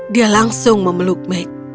dia langsung memeluk meg